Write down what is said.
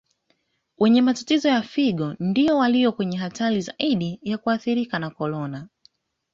Wenye matatizo ya Figo ndiyo walio kwenye hatari zaidi ya kuathirika na Corona